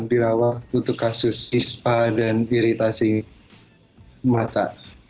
untuk perawatan untuk kasus ispa dan iritasi mata